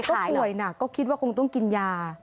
ถ้าป่วยหนักก็คิดว่าคงต้องกินยา